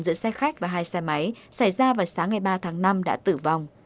giữa xe khách và hai xe máy xảy ra vào sáng ngày ba tháng năm đã tử vong